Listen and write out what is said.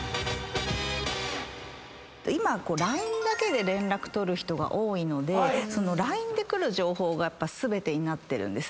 今ＬＩＮＥだけで連絡取る人が多いのでＬＩＮＥで来る情報が全てになってるんです。